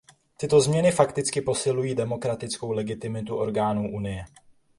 Tyto změny fakticky posilují demokratickou legitimitu orgánů Unie.